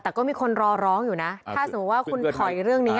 แต่ก็มีคนรอร้องอยู่นะถ้าสมมุติว่าคุณถอยเรื่องนี้